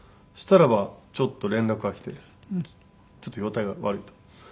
そしたらばちょっと連絡がきてちょっと容体が悪いと。